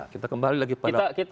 kita kembali lagi pada